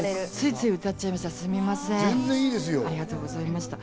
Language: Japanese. ついつい歌っちゃいました。